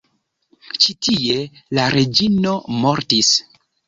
Ĉi-tie la reĝino mortis.